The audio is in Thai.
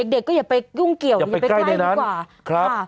เด็กก็อย่าไปยุ่งเกี่ยวอย่าไปใกล้ดีกว่าค่ะ